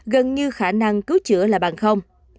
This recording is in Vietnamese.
gần như khả năng cứu chữa là bằng không